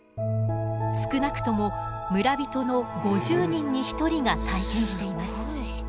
少なくとも村人の５０人に１人が体験しています。